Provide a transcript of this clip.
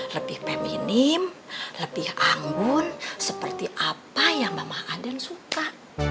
lebih peminim lebih anggun seperti apa yang mama kadang suka